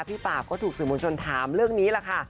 ปราบก็ถูกสื่อมวลชนถามเรื่องนี้แหละค่ะ